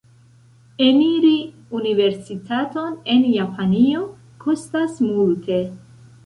Eniri universitaton en Japanio kostas multe.